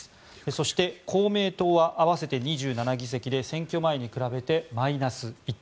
そして、公明党は合わせて２７議席で選挙前に比べてマイナス１。